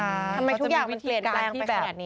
ทำไมทุกอย่างมันเปลี่ยนแปลงไปแบบ